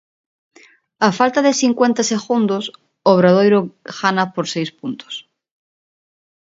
Á falta de cincuenta segundos, o Obradoiro gana por seis puntos.